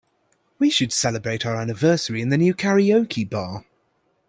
We should celebrate our anniversary in the new karaoke bar.